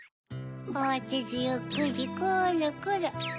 あわてずゆっくりくるくる。